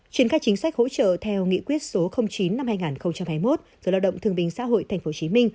triển khai chính sách hỗ trợ theo nghị quyết số chín hai nghìn hai mươi một do lao động thường bình xã hội tp hcm